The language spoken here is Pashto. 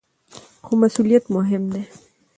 خو مسؤلیت مهم دی.